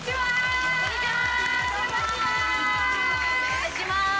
お願いします。